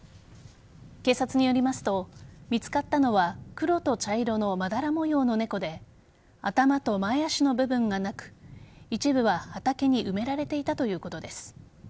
警察によりますと見つかったのは黒と茶色のまだら模様の猫で頭と前足の部分がなく一部は畑に埋められていたということです。